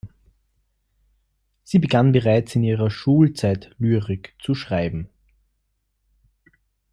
Sie begann bereits in ihrer Schulzeit Lyrik zu schreiben.